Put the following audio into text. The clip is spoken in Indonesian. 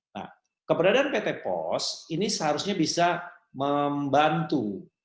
nah keberadaan pt pos ini seharusnya bisa membantu